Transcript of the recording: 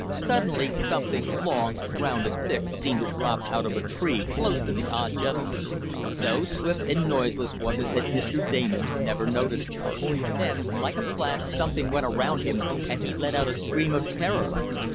Suddenly something long, round and thick seemed to drop down out of a tree close to the odd gentleman. So swift and noiseless was it that Mr. Damon never noticed it. Then, like a flash something went around him, and he let out a scream of terror.